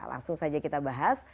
langsung saja kita bahas